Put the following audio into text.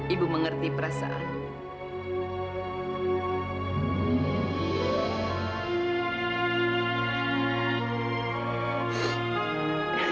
ibu mengerti perasaanmu